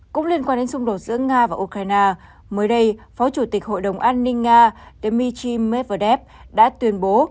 cũng liên quan đến xung đột giữa nga và ukraine mới đây phó chủ tịch hội đồng an ninh nga dmitry medvedev đã tuyên bố